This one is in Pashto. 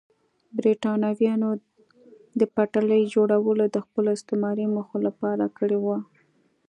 برېټانویانو د پټلۍ جوړول د خپلو استعماري موخو لپاره کړي وو.